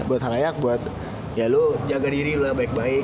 buat halayak buat ya lu jaga diri lu lah baik baik